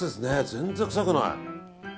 全然臭くない。